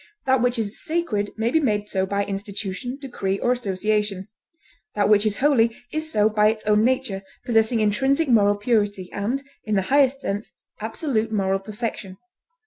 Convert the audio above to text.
That which is sacred may be made so by institution, decree, or association; that which is holy is so by its own nature, possessing intrinsic moral purity, and, in the highest sense, absolute moral perfection.